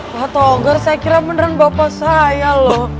pak togar saya kira beneran bapak saya loh